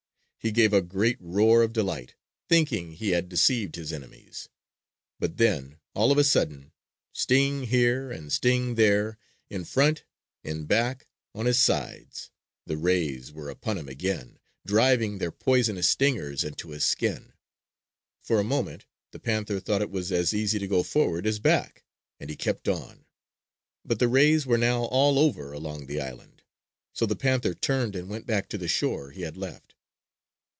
He gave a great roar of delight, thinking he had deceived his enemies. But then, all of a sudden, sting here and sting there, in front, in back, on his sides! The rays were upon him again, driving their poisonous stingers into his skin. For a moment, the panther thought it was as easy to go forward as back, and he kept on. But the rays were now all over along the island; so the panther turned and went back to the shore he had left.